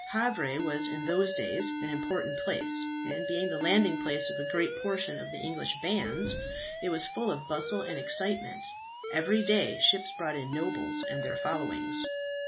Havre was in those days an important place, and being the landing place of a great portion of the English bands, it was full of bustle and excitement. Every day ships brought in nobles and their followings.